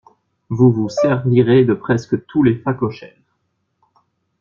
Vous vous servirez de presque tous les phacochères.